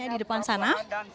di depan sana